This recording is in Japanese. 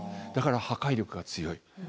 だから破壊力が強い。